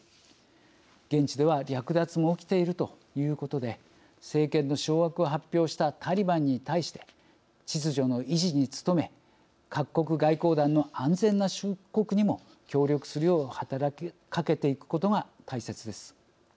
現地では、略奪も起きているということで政権の掌握を発表したタリバンに対して秩序の維持に努め各国外交団の安全な出国にも協力するよう働きかけていくことが大切です。